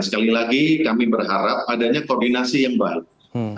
sekali lagi kami berharap adanya koordinasi yang baik